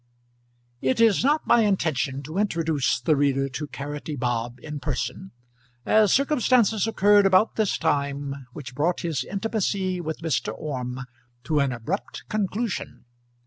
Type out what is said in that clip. It is not my intention to introduce the reader to Carroty Bob in person, as circumstances occurred about this time which brought his intimacy with Mr. Orme to an abrupt conclusion.